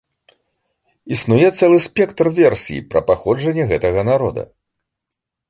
Існуе цэлы спектр версій пра паходжанне гэтага народа.